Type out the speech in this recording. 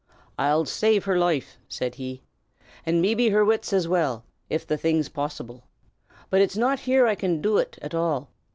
"I'll save her loife," said he, "and mebbe her wits as well, av the thing's poassible. But it's not here I can do ut at all.